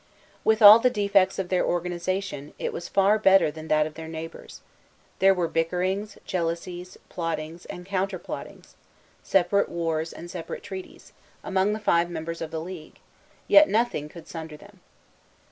With all the defects of their organization, it was far better than that of their neighbors. There were bickerings, jealousies, plottings and counter plottings, separate wars and separate treaties, among the five members of the league; yet nothing could sunder them.